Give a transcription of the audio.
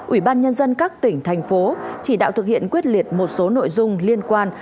ubnd các tỉnh thành phố chỉ đạo thực hiện quyết liệt một số nội dung liên quan